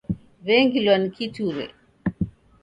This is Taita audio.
W'engilwa ni kiture.